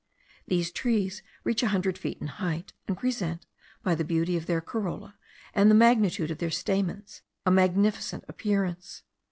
These trees reach a hundred feet in height, and present, by the beauty of their corolla, and the multitude of their stamens, a magnificent appearance.